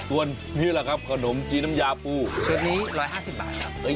ส่วนนี่แหละครับขนมจีนน้ำยาปูเซตนี้๑๕๐บาทครับ